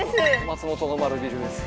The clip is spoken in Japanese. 松本の丸ビルです。